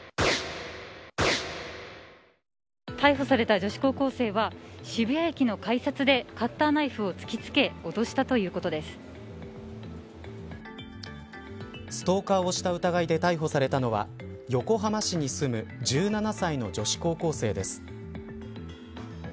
逮捕された女子高校生は渋谷駅の改札でカッターナイフを突き付けストーカーをした疑いで逮捕されたのは横浜市に住む１７歳の女子高校生です。